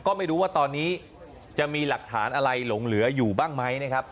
ก็ไม่รู้ว่าตอนนี้จะมีหลักฐานอะไรหลงเหลืออยู่บ้างไหมนะครับ